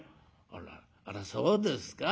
「あらあらそうですか。